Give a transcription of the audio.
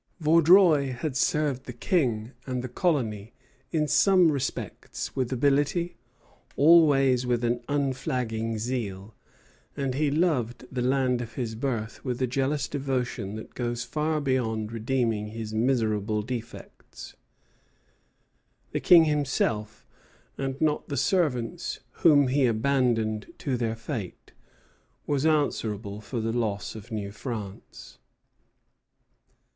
Vaudreuil had served the King and the colony in some respects with ability, always with an unflagging zeal; and he loved the land of his birth with a jealous devotion that goes far towards redeeming his miserable defects. The King himself, and not the servants whom he abandoned to their fate, was answerable for the loss of New France.